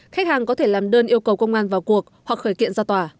khách hàng có thể làm đơn yêu cầu công an vào cuộc hoặc khởi kiện ra tòa